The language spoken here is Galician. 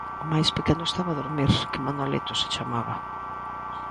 O máis pequeno estaba a durmir, que Manolito se chamaba;